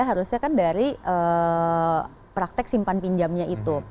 harusnya kan dari praktek simpan pinjamnya itu